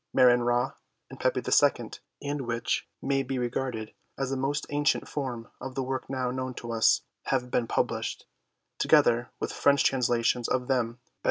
Mer en Ra, and Pepi II, and which may be regarded as the most ancient form of the work now known to us, have been published, together with French translations VIII PREFACE. of them, by M.